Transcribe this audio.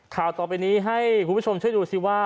ข่าวต่อไปนี้ให้คุณผู้ชมช่วยดูสิว่า